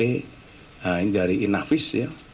ini dari inavis ya